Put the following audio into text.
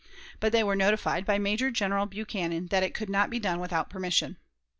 But they were notified by Major General Buchanan that it could not be done without permission.